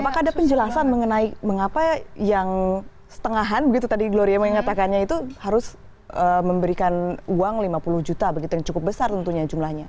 apakah ada penjelasan mengenai mengapa yang setengahan begitu tadi gloria mengatakannya itu harus memberikan uang lima puluh juta begitu yang cukup besar tentunya jumlahnya